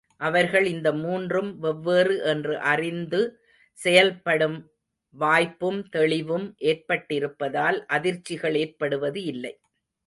அவர்கள் இந்த மூன்றும் வெவ்வேறு என்று அறிந்து செயல்படும் வாய்ப்பும் தெளிவும் ஏற்பட்டிருப்பதால் அதிர்ச்சிகள் ஏற்படுவது இல்லை.